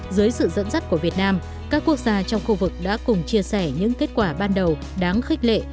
dưới sự dẫn dắt của việt nam các quốc gia trong khu vực đã cùng chia sẻ những kết quả ban đầu đáng khích lệ